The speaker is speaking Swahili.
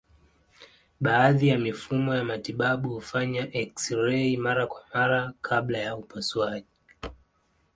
Baadhi ya mifumo ya matibabu hufanya eksirei mara kwa mara kabla ya upasuaji.